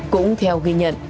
cũng theo ghi nhận